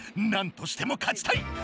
なんとしても勝ちたい！